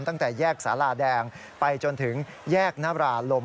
ตั้งแต่แยกสาราแดงไปจนถึงแยกนบราลม